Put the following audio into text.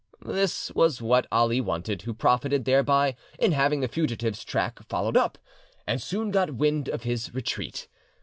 This was what Ali wanted, who profited thereby in having the fugitive's track followed up, and soon got wind of his retreat.